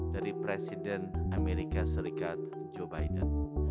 dari presiden amerika serikat joe biden